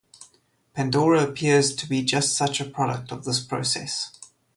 Pandora appears to be just such a product of this process.